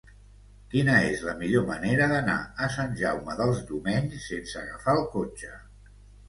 Quina és la millor manera d'anar a Sant Jaume dels Domenys sense agafar el cotxe?